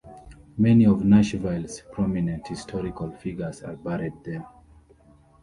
Many of Nashville's prominent historical figures are buried there.